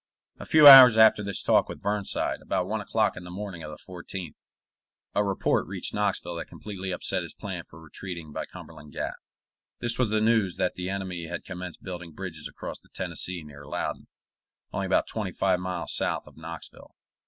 A few hours after this talk with Burnside, about one o'clock in the morning of the 14th, a report reached Knoxville that completely upset his plan for retreating by Cumberland Gap. This was the news that the enemy had commenced building bridges across the Tennessee near Loudon, only about twenty five miles south of Knoxville.